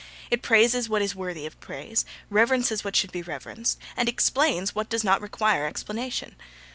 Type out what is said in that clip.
It praises what is worthy of praise, reverences what should be reverenced, and explains what does not require explanation.